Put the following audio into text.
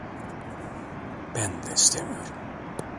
Ben de istemiyorum.